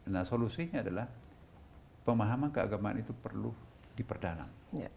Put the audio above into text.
nah solusinya adalah pemahaman keagamaan itu perlu diperdalam